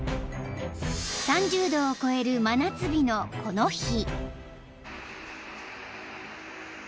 ［３０℃を超える真夏日のこの日］